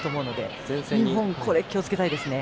日本、これ気をつけたいですね。